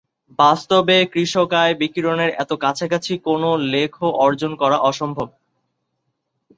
বাস্তবে কৃষ্ণকায় বিকিরণের এতো কাছাকাছি কোন লেখ অর্জন করা অসম্ভব।